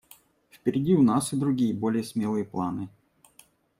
Впереди у нас и другие, более смелые планы.